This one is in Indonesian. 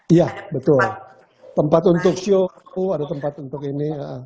iya betul tempat untuk show ada tempat untuk ini